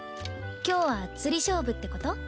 今日は釣り勝負ってこと？